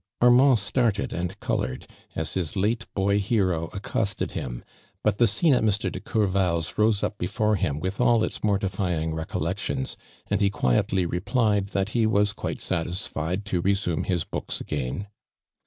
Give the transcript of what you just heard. Armand started anil colored, as his late boy heroaceosted him, but the scene at Mr. <le Courval s ro^c uj) before him with all its mortifying recollections, and he (juietly replied that he was quite satisfied to re '6nuie his books again.